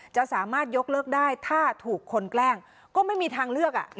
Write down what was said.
จะสามารถยกเลิกได้ถ้าถูกคนแกล้งก็ไม่มีทางเลือก